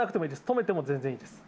止めても全然いいです。